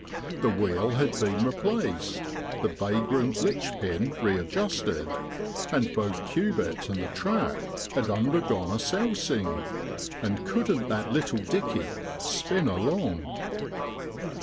The wheel had been replaced, the vagrant litch pin readjusted, and both Cubitt an.d the trap had undergone a sousing. And couldn't that little ' dickey ' spin along